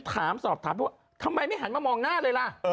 ถามสอบถามว่าทำไมไม่หันมามองหน้าเลยล่ะ